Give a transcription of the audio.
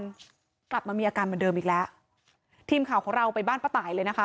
กลับมามีอาการเหมือนเดิมอีกแล้วทีมข่าวของเราไปบ้านป้าตายเลยนะคะ